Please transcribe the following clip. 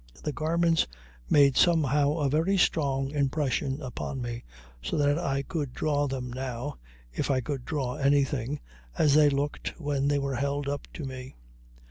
The garments made somehow a very strong impression upon me, so that I could draw them now, if I could draw anything, as they looked when they were held up to me.